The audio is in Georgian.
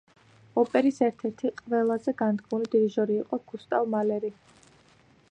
ოპერის ერთ-ერთი ყველაზე განთქმული დირიჟორი იყო გუსტავ მალერი.